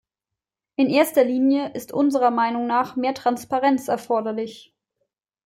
In erster Linie ist unserer Meinung nach mehr Transparenz erforderlich.